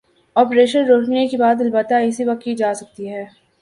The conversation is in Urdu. آپریشن روکنے کی بات، البتہ اسی وقت کی جا سکتی ہے۔